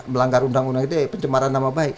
melanggar undang undang itu ya pencemaran nama baik